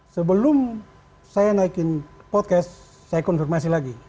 sebelum saya naikin podcast saya konfirmasi lagi